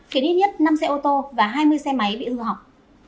khiến ít nhất năm xe ô tô và hai mươi xe máy bị hư hỏng